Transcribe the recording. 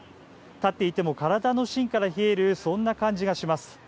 立っていても体のしんから冷える、そんな感じがします。